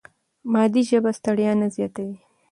مادي ژبه ستړیا نه زیاتوي.